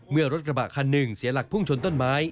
เมื่อรถกระบะคันหนึ่งเสียหลักพุ่งชนต้นไม้